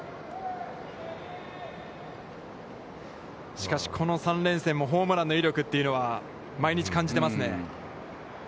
しかし、この３連戦もホームランの威力というのは、毎日感じていますね。